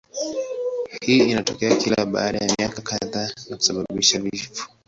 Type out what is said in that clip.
Hii inatokea kila baada ya miaka kadhaa na kusababisha vifo.